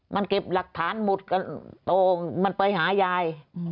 มันเก็บหลักฐานหมดก็โตมันไปหายาย